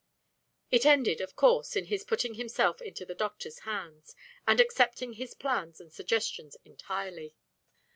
It ended, of course, in his putting himself into the doctor's hands, and accepting his plans and suggestions entirely.